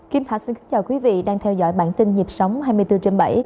kim thạch xin kính chào quý vị đang theo dõi bản tin nhịp sống hai mươi bốn trên bảy